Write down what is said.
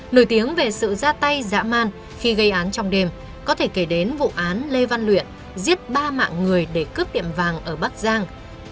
nổi tiếng về sự ra tay dã man khi gây án trong đêm có thể kể đến vụ án lê văn luyện giết ba mạng người để cướp tiệm vàng ở bắc giang